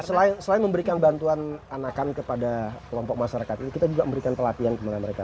selain memberikan bantuan anakan kepada kelompok masyarakat ini kita juga memberikan pelatihan kepada mereka